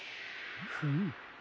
フム。